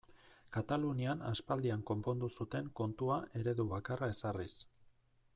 Katalunian aspaldian konpondu zuten kontua eredu bakarra ezarriz.